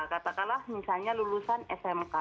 katakanlah misalnya lulusan smk